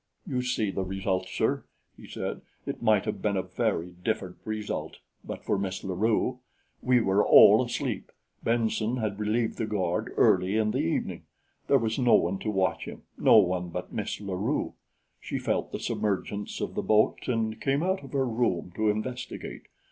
"You see the result, sir," he said. "It might have been a very different result but for Miss La Rue. We were all asleep. Benson had relieved the guard early in the evening; there was no one to watch him no one but Miss La Rue. She felt the submergence of the boat and came out of her room to investigate.